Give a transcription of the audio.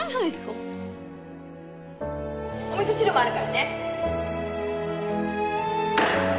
お味噌汁もあるからね